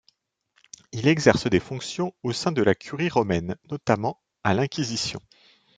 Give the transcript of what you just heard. Il exerce des fonctions au sein de la Curie romaine, notamment à l'Inquisition.